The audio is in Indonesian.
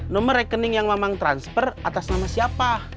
nomor rekening yang memang transfer atas nama siapa